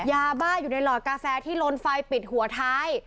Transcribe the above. ยาบ้าอยู่ในหลอดกาแฟที่ลนไฟปิดหัวท้าย